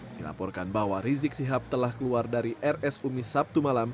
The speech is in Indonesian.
dilaporkan bahwa rizik sihab telah keluar dari rs umi sabtu malam